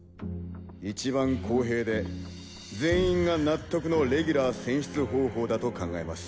一番公平で全員が納得のレギュラー選出方法だと考えます。